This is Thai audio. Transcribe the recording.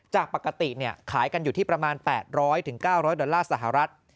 จากปกติขายกันอยู่ที่ประมาณ๘๐๐๙๐๐ดอลลาร์สหรัฐ